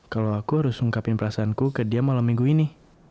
kalau aku harus ungkapin perasaanku ke dia malam minggu ini